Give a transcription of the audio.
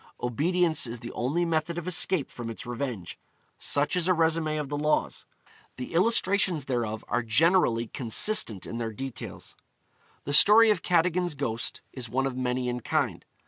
Obedience is the only method of escape from its revenge. Such is a resumé of the laws. The illustrations thereof are generally consistent in their details. The story of Cadogan's ghost is one of many in kind.